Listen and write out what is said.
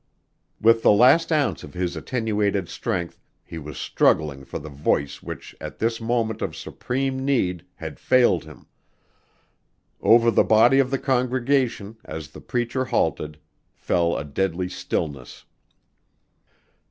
With the last ounce of his attenuated strength he was struggling for the voice which at this moment of supreme need had failed him. Over the body of the congregation, as the preacher halted, fell a deadly stillness.